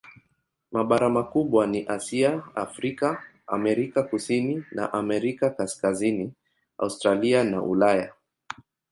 Mabara makubwa ni Asia, Afrika, Amerika Kusini na Amerika Kaskazini, Australia na Ulaya.